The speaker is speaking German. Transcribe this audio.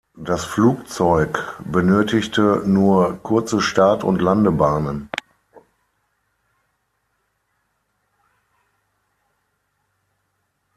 Das Flugzeug benötigte nur kurze Start- und Landebahnen.